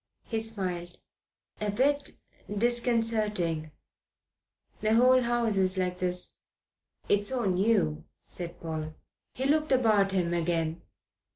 He smiled. "A bit disconcerting." "The whole house is like this." "It's so new," said Paul. He looked about him again.